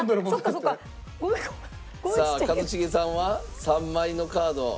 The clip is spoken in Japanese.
さあ一茂さんは３枚のカードあります。